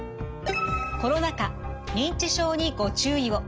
「コロナ禍認知症にご注意を」。